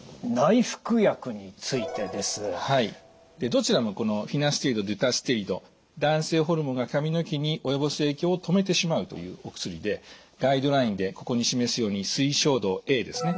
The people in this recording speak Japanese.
どちらもこのフィナステリドデュタステリド男性ホルモンが髪の毛に及ぼす影響を止めてしまうというお薬でガイドラインでここに示すように推奨度Ａですね。